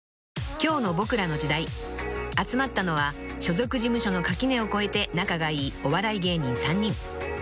［今日の『ボクらの時代』集まったのは所属事務所の垣根を越えて仲がいいお笑い芸人３人］